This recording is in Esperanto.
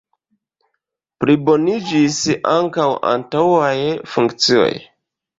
Pliboniĝis ankaŭ antaŭaj funkcioj.